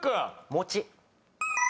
餅。